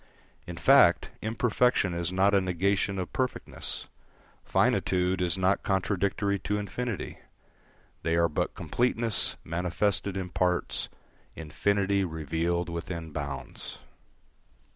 In fact, imperfection is not a negation of perfectness; finitude is not contradictory to infinity: they are but completeness manifested in parts, infinity revealed within bounds.